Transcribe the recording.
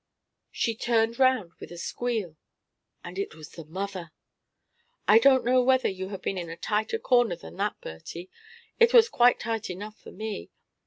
She turned round with a squeal, and it was the mother! I don't know whether you have ever been in a tighter corner than that, Bertie. It was quite tight enough for me.